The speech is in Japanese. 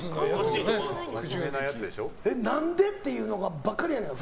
何で？っていうのばっかりやねん。